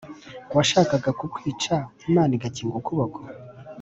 washakaga kukwica imana igakinaga akaboko?"